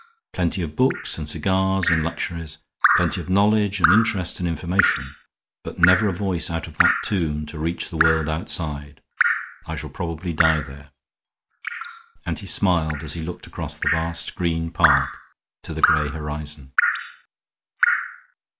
Plenty of books and cigars and luxuries, plenty of knowledge and interest and information, but never a voice out of that tomb to reach the world outside. I shall probably die there." And he smiled as he looked across the vast green park to the gray horizon.